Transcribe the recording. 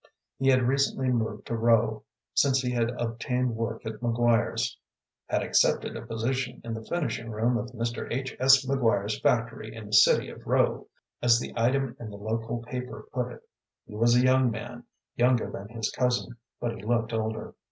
He had recently moved to Rowe, since he had obtained work at McGuire's, "had accepted a position in the finishing room of Mr. H. S. McGuire's factory in the city of Rowe," as the item in the local paper put it. He was a young man, younger than his cousin, but he looked older.